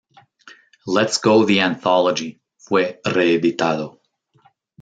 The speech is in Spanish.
Let's Go The Anthology" fue reeditado.